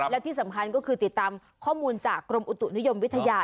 และที่สำคัญก็คือติดตามข้อมูลจากกรมอุตุนิยมวิทยา